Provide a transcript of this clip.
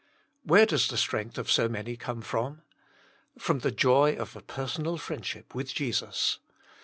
Where does the strength of so many come from? From the joy of a per sonal friendship with Jesus.